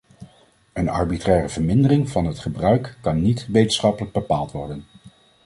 Een arbitraire vermindering van het gebruik kan niet wetenschappelijk bepaald worden.